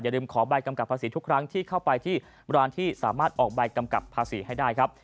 ลืมขอใบกำกับภาษีทุกครั้งที่เข้าไปที่ร้านที่สามารถออกใบกำกับภาษีให้ได้ครับ